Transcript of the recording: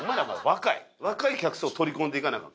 若い客層を取り込んでいかなアカン。